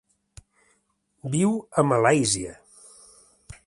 Viu a Malàisia.